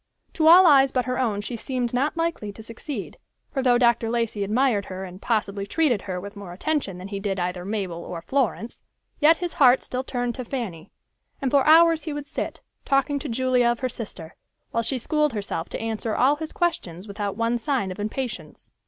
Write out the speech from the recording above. To all eyes but her own she seemed not likely to succeed, for though Dr. Lacey admired her and possibly treated her with more attention than he did either Mabel or Florence, yet his heart still turned to Fanny, and for hours he would sit, talking to Julia of her sister, while she schooled herself to answer all his questions without one sign of impatience.